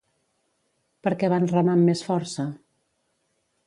Per què van remar amb més força?